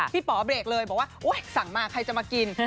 ป๋อเบรกเลยบอกว่าสั่งมาใครจะมากิน